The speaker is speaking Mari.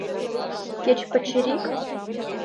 Кеч пычырик?